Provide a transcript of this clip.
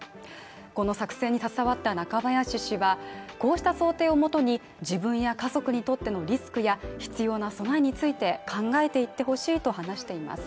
この作成に携わった中林氏はこうした想定をもとに、自分や家族にとってのリスクや必要な備えについて考えていってほしいと話しています。